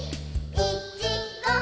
「いちご！」